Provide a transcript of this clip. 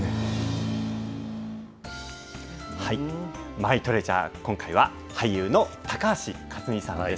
マイトレジャー、今回は俳優の高橋克実さんです。